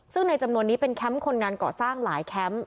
ซึ่งในจำนวนนี้เป็นแคมป์คนงานเกาะสร้างหลายแคมป์